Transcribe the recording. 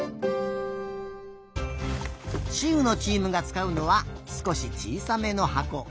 しうのチームがつかうのはすこしちいさめのはこ。